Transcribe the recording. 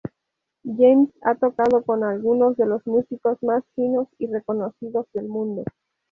James ha tocado con algunos de los músicos más finos y reconocidos del mundo.